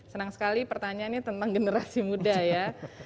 senang sekali pertanyaannya tentang generasi muda ya